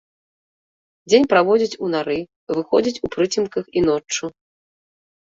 Дзень праводзіць у нары, выходзіць у прыцемках і ноччу.